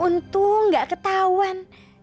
untung gak ketauan